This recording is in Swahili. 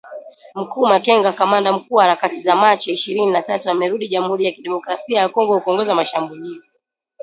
Mkuu Makenga, kamanda mkuu wa Harakati za Machi ishirini na tatu amerudi Jamhuri ya Kidemokrasia ya Kongo kuongoza mashambulizi.